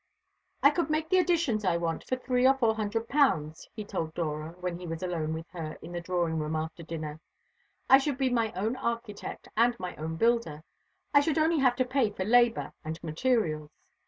"I could make the additions I want for three or four hundred pounds," he told Dora, when he was alone with her in the drawing room after dinner. "I should be my own architect and my own builder. I should only have to pay for labour and materials.